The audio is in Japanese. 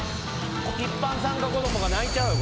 一般参加子どもが泣いちゃうよ